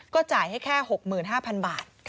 ก็จ่ายให้แค่หกหมื่นห้าพันบาท